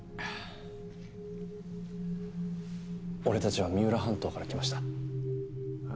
俺たちは三浦半島から来ました。